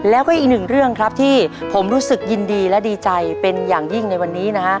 แล้วก็อีกหนึ่งเรื่องครับที่ผมรู้สึกยินดีและดีใจเป็นอย่างยิ่งในวันนี้นะฮะ